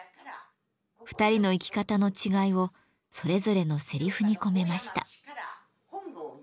２人の生き方の違いをそれぞれのせりふに込めました。